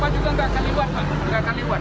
bapak juga nggak akan liwat pak nggak akan liwat